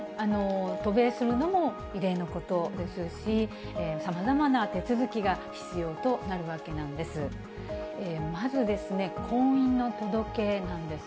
渡米するのも異例のことですし、さまざまな手続きが必要となるわけなんです。